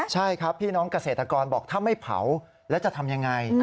ใช่ครับพี่น้องเกษตรกรบอกถ้าไม่เผาแล้วจะทำยังไง